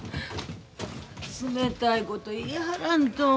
冷たいこと言いはらんと。